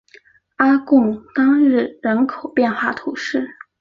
阿贡当日人口变化图示